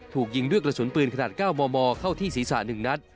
ถูกยิงด้วยกระสุนปืนขนาด๙มมเข้าที่ศีรษะ๑นัด